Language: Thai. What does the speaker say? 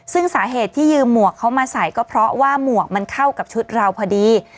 ซึ่งสาเหตุที่ยืมหมวกเขามาใส่ก็เพราะว่าหมวกมันเข้ากับชุดเราพอดี